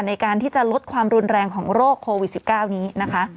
ในการที่จะลดความรุนแรงของโรคโควิด๑๙นี้นะคะ